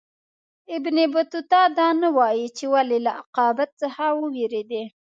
ابن بطوطه دا نه وايي چې ولي له عاقبت څخه ووېرېدی.